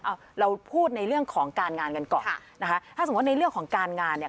เอาเราพูดในเรื่องของการงานกันก่อนนะคะถ้าสมมุติในเรื่องของการงานเนี่ย